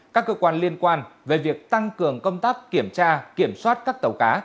các cơ quan liên quan về việc tăng cường công tác kiểm tra kiểm soát các tàu cá